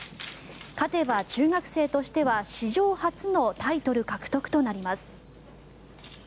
勝てば中学生としては史上初のタイトル獲得となります。